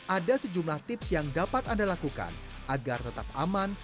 ada sejumlah tips yang dapat anda lakukan agar tetap aman